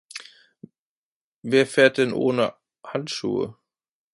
Wer fährt denn ohne Handschuhe?